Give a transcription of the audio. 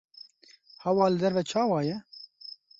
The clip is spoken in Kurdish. Hewa li derve çawa ye?